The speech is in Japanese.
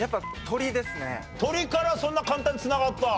鶏からそんな簡単に繋がった？